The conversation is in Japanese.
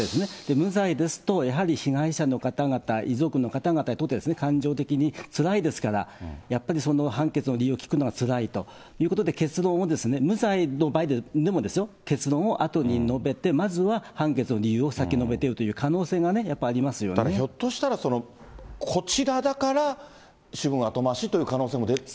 無罪ですと、やはり被害者の方々、遺族の方々にとって感情的につらいですから、やっぱりその判決の理由を聞くのはつらいということで、結論を無罪の場合でもですよ、結論をあとに述べて、まずは判決の理由を先に述べてるという可能性がね、やっぱりありだからひょっとしたら、こちらだから主文後回しという可能性も出てきた。